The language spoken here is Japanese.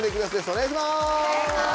お願いします！